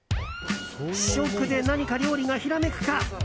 試食で何か料理がひらめくか。